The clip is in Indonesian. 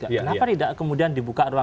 kenapa tidak kemudian dibuka ruang